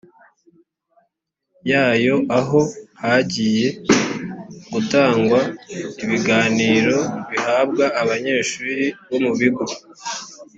yayo aho hagiye hatangwa ibiganiro bihabwa abanyeshuri bo mu bigo